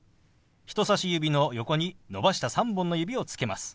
人さし指の横に伸ばした３本の指をつけます。